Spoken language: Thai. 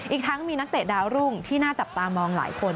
อีกทั้งมีนักเตะดาวรุ่งที่น่าจับตามองหลายคน